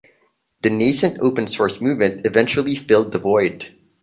The nascent open source movement eventually filled the void.